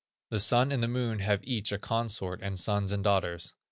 The Sun and the Moon have each a consort, and sons, and daughters.